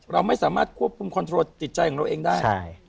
เราไม่สามารถควบคุมคอนโทรจิตใจของเราเองได้